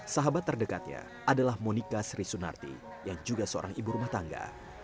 sahabat terdekatnya adalah monika sri sunarti yang juga seorang ibu rumah tangga